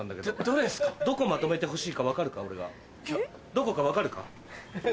どこか分かるか？